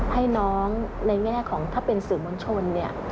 ให้น้องในแง่ของถ้าเป็นสื่อมนต์ชน